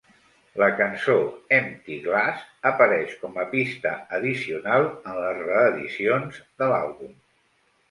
La cançó "Empty Glass" apareix com a pista addicional en les reedicions de l'àlbum.